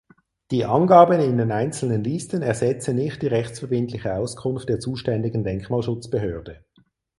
Die Angaben in den einzelnen Listen ersetzen nicht die rechtsverbindliche Auskunft der zuständigen Denkmalschutzbehörde.